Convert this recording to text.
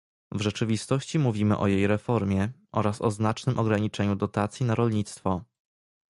W rzeczywistości mówimy o jej reformie oraz o znacznym ograniczeniu dotacji na rolnictwo